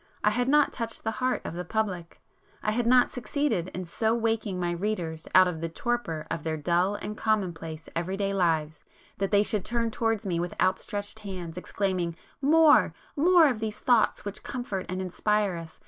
I had not touched the heart of the public;—I had not succeeded in so waking my readers out of the torpor of their dull and commonplace every day lives, that they should turn towards me with outstretched hands, exclaiming—"More,—more of these thoughts which comfort and inspire us!